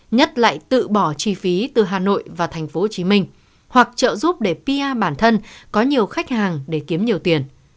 nhất lại tự bỏ chi phí từ hà nội và tp hcm hoặc trợ giúp để pia bản thân có nhiều khách hàng để kiếm nhiều tiền